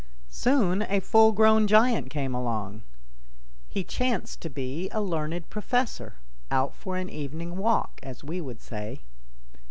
Soon a full grown giant came along. He chanced to be a learned professor out for an evening walk, as we would say.